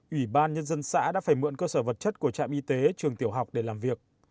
ủy ban nhân dân xã đã phải mượn cơ sở vật chất của trạm y tế trường tiểu học để làm việc